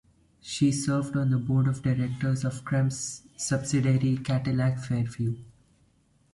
She served on the board of directors of Cemp's subsidiary, Cadillac Fairview.